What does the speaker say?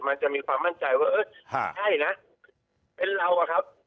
มันจะมีความมั่นใจว่าเออใช่นะเป็นเราอะครับ